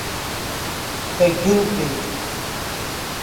Дагьылбеит.